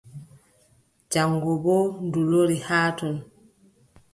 Jaŋgo boo ndu lori haa ton.